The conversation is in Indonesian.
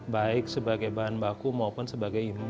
baik sebagai bahan baku maupun sebagai implan untuk tubuh